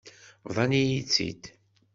Bḍan-iyi-tt-id.